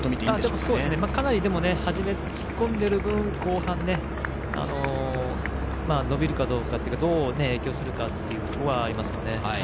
かなり初め、突っ込んでいる分後半、伸びるかどうかというかどう影響するかというところはありますよね。